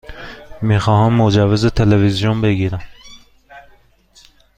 می خواهم مجوز تلویزیون بگیرم.